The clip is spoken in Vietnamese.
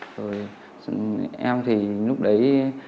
rồi em thì lúc đấy